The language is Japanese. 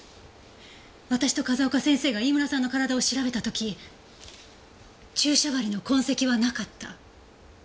私と風丘先生が飯村さんの体を調べた時注射針の痕跡はなかった。